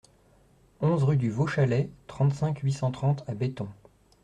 onze rue du Vau Chalet, trente-cinq, huit cent trente à Betton